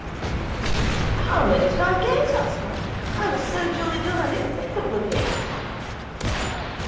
'How many did I get?' asked Mike. 'I was so jolly done I didn't think of looking.'